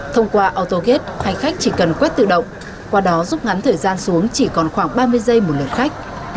thông qua autogate hành khách chỉ cần quét tự động qua đó giúp ngắn thời gian xuống chỉ còn khoảng ba mươi giây một lượt khách